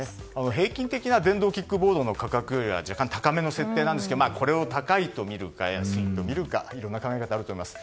平均的な電動キックボードの価格よりは若干高めの設定なんですがこれを高いとみるか安いとみるかいろいろな考え方があると思います。